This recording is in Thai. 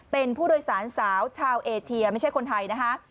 เป็นผู้โดยสารสาวชาวเอเชียไม่ใช่คนไทยนะคะ